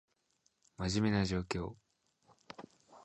真面目な状況